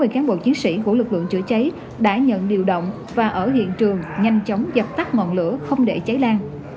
ba mươi cán bộ chiến sĩ của lực lượng chữa cháy đã nhận điều động và ở hiện trường nhanh chóng dập tắt ngọn lửa không để cháy lan